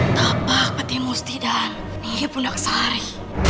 tapak petimusti dan nihipunaksari